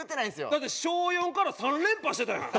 だって小４から３連覇してたやん。